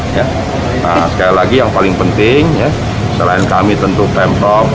nah sekali lagi yang paling penting selain kami tentu pemprov